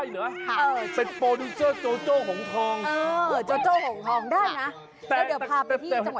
เพื่อจะพาไปที่จังหวัดแพรรง